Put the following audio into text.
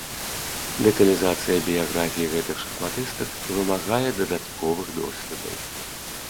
Дэталізацыя біяграфій гэтых шахматыстак вымагае дадатковых доследаў.